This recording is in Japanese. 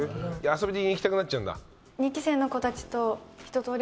遊びに行きたくなっちゃうんだ？